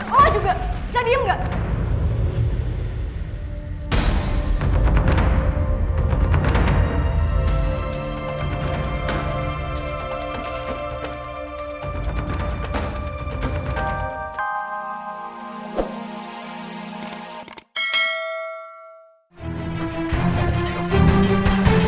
oh juga bisa diem gak